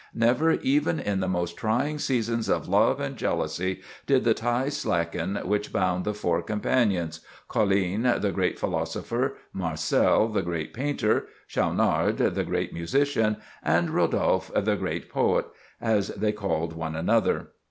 Never, even in the most trying seasons of love and jealousy, did the ties slacken which bound the four companions—Colline, the great philosopher; Marcel, the great painter; Schaunard, the great musician; and Rodolphe, the great poet—as they called one another.